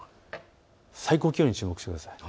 最高気温に注目してください。